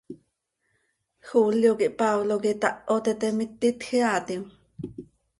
¿Julio quih Pablo quih itaho teete, miti itjeaatim?